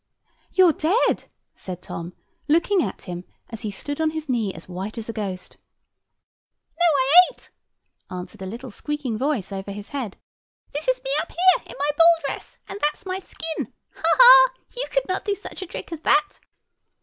"You're dead," said Tom, looking at him as he stood on his knee as white as a ghost. "No, I ain't!" answered a little squeaking voice over his head. "This is me up here, in my ball dress; and that's my skin. Ha, ha! you could not do such a trick as that!"